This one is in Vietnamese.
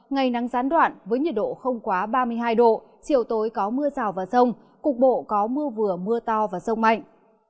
ngày nắng gián đoạn với nhiệt độ không quá ba mươi hai độ chiều tối có mưa rào và rông cục bộ có mưa vừa mưa to và rông mạnh